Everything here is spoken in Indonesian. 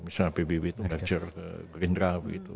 misalnya pbb itu merger ke gerindra